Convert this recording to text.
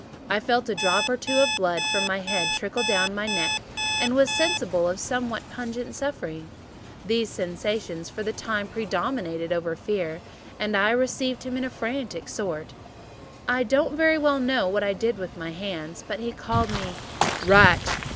I felt a drop or two of blood from my head trickle down my neck, and was sensible of somewhat pungent suffering: these sensations for the time predominated over fear, and I received him in frantic sort. I don't very well know what I did with my hands, but he called me "Rat!